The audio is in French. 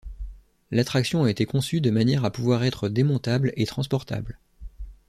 L'attraction a été conçue de manière à pouvoir être démontable et transportable.